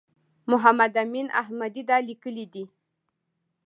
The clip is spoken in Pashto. محمد امین احمدي دا لیکلي دي.